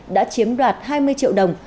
đã chiếm đoạt hai mươi triệu đồng